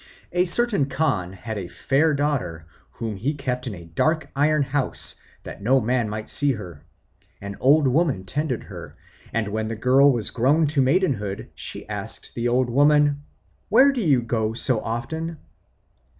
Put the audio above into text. A certain Khan had a fair daughter, whom he kept in a dark iron house, that no man might see her. An old woman tended her; and when the girl was grown to maidenhood she asked the old woman, "Where do you go so often?"